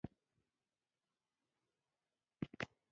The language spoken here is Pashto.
زما فشار وګورئ.